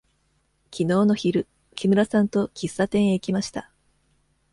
きのうの昼、木村さんと喫茶店へ行きました。